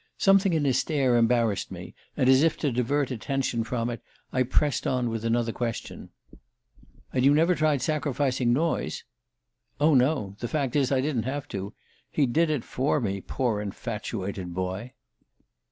Something in his stare embarrassed me, and as if to divert attention from it I pressed on with another question: "And you never tried sacrificing Noyes?" "Oh, no. The fact is I didn't have to. He did it for me, poor infatuated boy!"